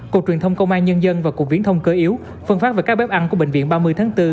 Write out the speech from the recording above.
cục truyền thông công an nhân dân và cục viễn thông cơ yếu phân phát về các bếp ăn của bệnh viện ba mươi tháng bốn